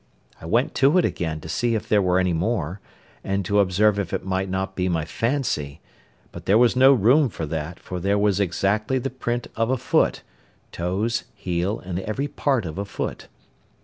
I went to it again to see if there were any more, and to observe if it might not be my fancy; but there was no room for that, for there was exactly the print of a foot—toes, heel, and every part of a foot.